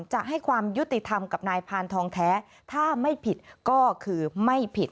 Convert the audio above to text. จะให้ความยุติธรรมกับนายพานทองแท้ถ้าไม่ผิดก็คือไม่ผิด